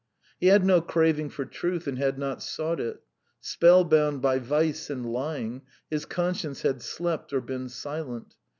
He had no craving for truth, and had not sought it; spellbound by vice and lying, his conscience had slept or been silent.